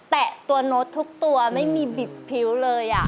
แตะตัวโน้ตทุกตัวไม่มีบิดพิ้วเลย